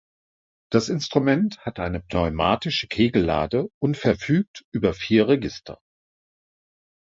Das Instrument hat eine pneumatische Kegellade und verfügt über vier Register.